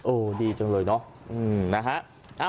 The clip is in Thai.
โอ้ดีจังเลยเนอะอืมนะฮะ